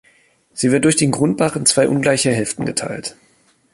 Sie wird durch den Grundbach in zwei ungleiche Hälften geteilt.